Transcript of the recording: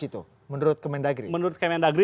itu menurut kementdagri menurut kementdagri